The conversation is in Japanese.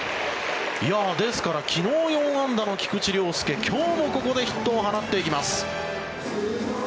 ですから、昨日４安打の菊池涼介今日もここでヒットを放っていきます。